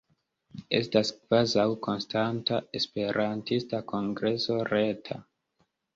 Estas kvazaŭ konstanta Esperantista Kongreso Reta.